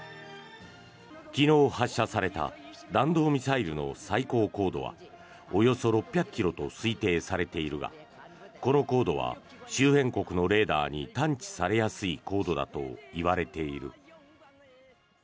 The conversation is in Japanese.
昨日発射された弾道ミサイルの最高高度はおよそ６００ｋｍと推定されているがこの高度は周辺国のレーダーに探知されやすい高度だといわれている。